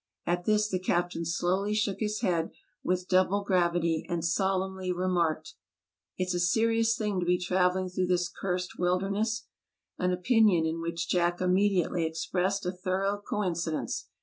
At this the captain slowly shook his head with double gravity, and solemnly remarked: "It's a serious thing to be traveling through this cursed wilderness"; an opinion in which Jack immediately ex pressed a thorough coincidence.